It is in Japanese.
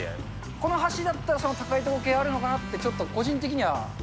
この橋だったら、その高いとこ系あるのかなって、ちょっと個人的には。